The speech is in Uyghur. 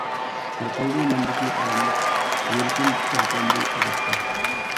يوقالدى مەندىكى ئاراملىق، يۈرىكىم ئۆرتەندى ئازابتا.